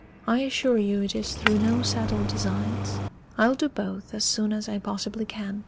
"I assure you it is through no settled designs. I'll do both as soon as I possibly can.